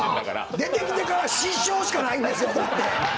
出てきてから失笑しかないんです。